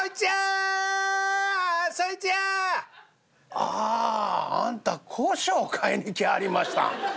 「あああんた胡椒買いに来はりましたん？